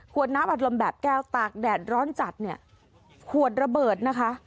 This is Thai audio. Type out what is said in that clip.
น้ำอัดลมแบบแก้วตากแดดร้อนจัดเนี่ยขวดระเบิดนะคะ